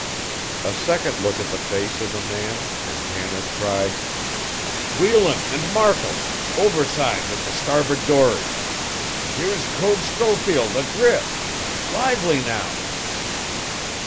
A second look at the face of the man and Tanner cried: "Wheelan and Markle, overside with the starboard dory. Here's Code Schofield adrift! Lively now!"